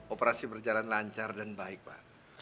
operasi berjalan lancar dan baik pak